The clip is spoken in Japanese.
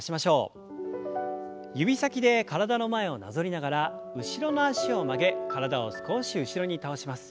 指先で体の前をなぞりながら後ろの脚を曲げ体を少し後ろに倒します。